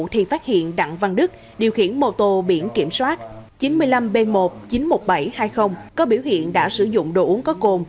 thì phát hiện đặng văn đức điều khiển mô tô biển kiểm soát chín mươi năm b một chín mươi một nghìn bảy trăm hai mươi có biểu hiện đã sử dụng đồ uống có cồn